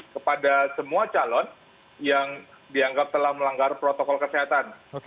kepada semua calon yang dianggap telah melanggar protokol kesehatan